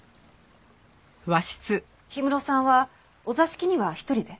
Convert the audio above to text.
氷室さんはお座敷には１人で？